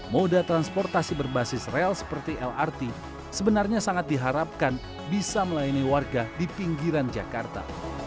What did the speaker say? moda transportasi berbasis rel seperti lrt sebenarnya sangat diharapkan bisa melayani warga di pinggiran jakarta